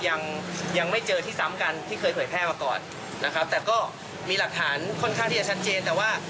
ยังยังไม่เจอที่ซ้ำกันที่เคยเผยแพร่มาก่อนนะครับแต่ก็มีหลักฐานค่อนข้างที่จะชัดเจนแต่ว่า